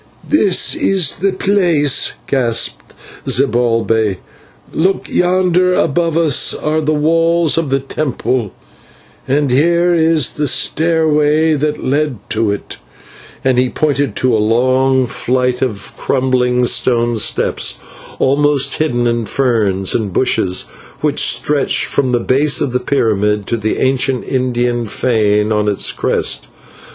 "This is the place," gasped Zibalbay. "Look, yonder above us are the walls of the temple, and here is the stairway that led to it," and he pointed to a long flight of crumbling stone, almost hidden in ferns and bushes, which stretched from the base of the pyramid to the ancient Indian fane on its crest.